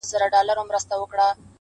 پښتنه ده آخير.